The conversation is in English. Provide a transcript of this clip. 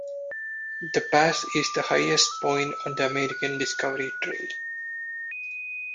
The pass is the highest point on the American Discovery Trail.